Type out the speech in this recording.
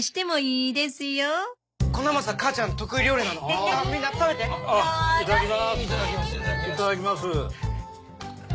いただきます。